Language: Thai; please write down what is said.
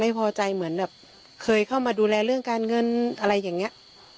เหมือนแบบเคยเข้ามาดูแลเรื่องการเงินอะไรอย่างนี้